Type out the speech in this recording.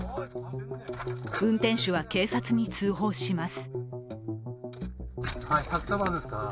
運転手は警察に通報します。